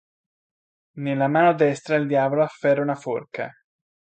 Nella mano destra il diavolo afferra una forca.